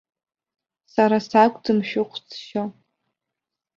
Сара сакәӡам шәыхә зшьо.